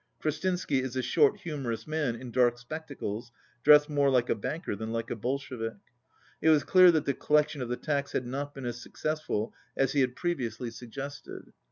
Krestinsky is a short, humorous man, in dark spectacles, dressed more like a banker than like a Bolshevik. It was clear that the collection of the tax had not been as successful as he had previously suggested.